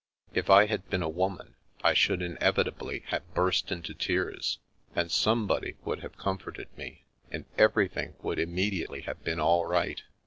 If I had been a woman, I should inevitably have burst into tears, and somebody would have com forted me, and everything would immediately have been all right.